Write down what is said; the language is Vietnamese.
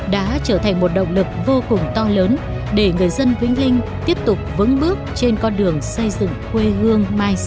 đã trở thành một động lực vô cùng to lớn để người dân vĩnh linh tiếp tục vững bước trên con đường xây dựng quê hương mai sau